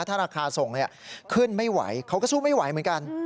ถ้าราคาส่งขึ้นไม่ไหวเขาก็สู้ไม่ไหวเหมือนกัน